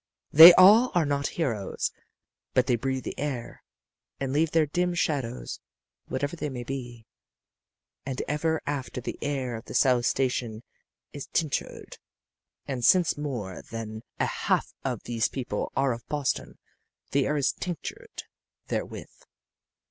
They all are not heroes, but they breathe the air and leave their dim shadows, whatever they may be, and ever after the air of the South Station is tinctured. And since more than a half of these people are of Boston, the air is tinctured therewith.